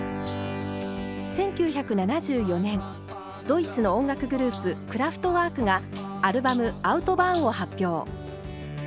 １９７４年ドイツの音楽グループクラフトワークがアルバム「アウトバーン」を発表。